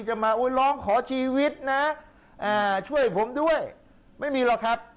ทำเหยียดแบบว่า